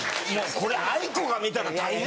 これａｉｋｏが見たら大変。